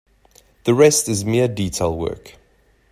The rest is mere detail work.